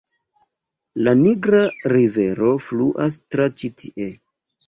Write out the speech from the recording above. La Nigra rivero fluas tra ĉi tie.